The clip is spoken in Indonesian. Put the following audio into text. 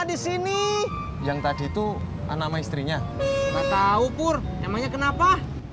disini yang tadi itu anak istrinya enggak tahu pur emangnya kenapa